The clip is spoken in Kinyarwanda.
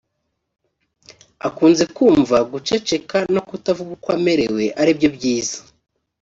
Akunze kumva guceceka no kutavuga uko amerewe ari byo byiza